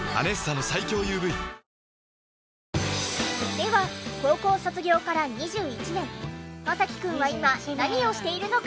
では高校卒業から２１年マサキくんは今何をしているのか？